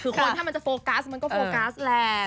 คือคนถ้ามันจะโฟกัสมันก็โฟกัสแหละ